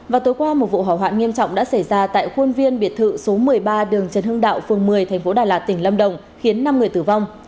và tối qua một vụ hỏa hoạn nghiêm trọng đã xảy ra tại khuôn viên biệt thự số một mươi ba đường trần hưng đạo phường một mươi tp đà lạt tỉnh lâm đồng khiến năm người tử vong